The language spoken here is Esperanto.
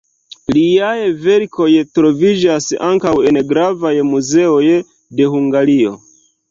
Liaj verkoj troviĝas ankaŭ en gravaj muzeoj de Hungario.